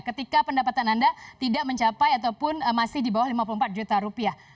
ketika pendapatan anda tidak mencapai ataupun masih di bawah lima puluh empat juta rupiah